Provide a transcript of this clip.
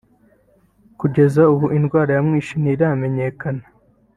kugeza ubu indwara yamwishe ntiramenyekana